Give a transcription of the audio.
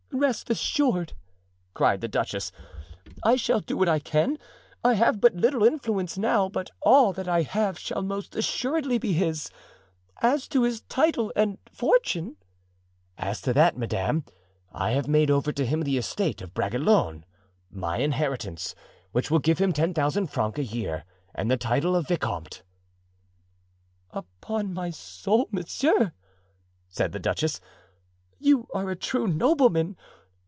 "Rest assured," cried the duchess, "I shall do what I can. I have but little influence now, but all that I have shall most assuredly be his. As to his title and fortune——" "As to that, madame, I have made over to him the estate of Bragelonne, my inheritance, which will give him ten thousand francs a year and the title of vicomte." "Upon my soul, monsieur," said the duchess, "you are a true nobleman!